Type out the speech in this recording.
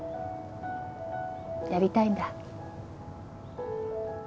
やりたいんだ？